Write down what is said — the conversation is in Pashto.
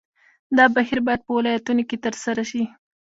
دا بهیر باید په ولایتونو کې ترسره شي.